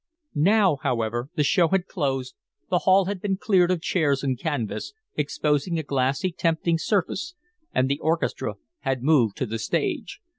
Now, however, the show had closed, the hall had been cleared of chairs and canvas, exposing a glassy, tempting surface, and the orchestra had moved to the stage.